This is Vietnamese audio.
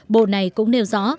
bộ này cũng nêu rõ